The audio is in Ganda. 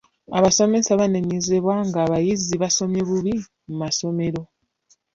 Abasomesa banenyezebwa ng'abayizi basomye bubi mu masomero.